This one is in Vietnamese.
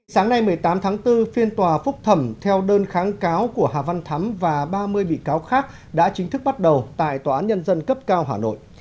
sáng nay một mươi tám tháng bốn phiên tòa phúc thẩm theo đơn kháng cáo của hà văn thắm và ba mươi bị cáo khác đã chính thức bắt đầu tại tòa án nhân dân cấp cao hà nội